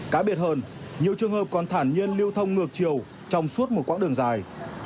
cá biệt hơn nhiều trường hợp còn thản nhiên lưu thông ngược chiều trong suốt một quãng đường dài